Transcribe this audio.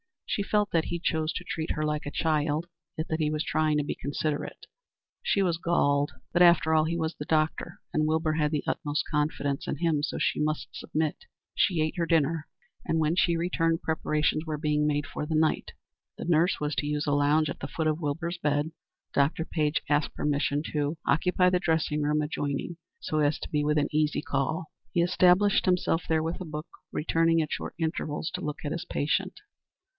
She felt that he chose to treat her like a child, yet that he was trying to be considerate. She was galled, but after all, he was the doctor, and Wilbur had the utmost confidence in him, so she must submit. She ate her dinner, and when she returned preparations were being made for the night. The nurse was to use a lounge at the foot of Wilbur's bed. Dr. Page asked permission to occupy the dressing room adjoining, so as to be within easy call. He established himself there with a book, returning at short intervals to look at his patient.